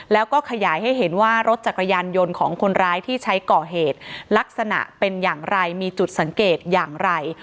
แล้วก็ขยายให้เห็นว่ารถจักรยานยนต์ของคนร้ายที่ใช้ก่อเหตุลักษณะเป็นอย่างไรมีจุดสังเกตอย่างไร